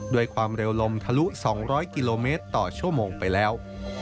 ด้วยความเร็วลมทะลุ๒๐๐กิโลเมตรต่อชั่วโมงไปแล้ว